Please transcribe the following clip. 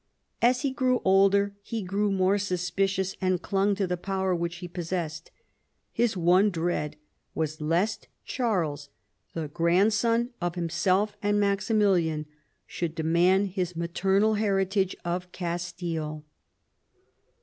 As he grew older he grew more suspicious, and clung to the power which he possessed His one dread was lest Charles, the grandson of himself and Maximilian, should demand his maternal heritage of Castile.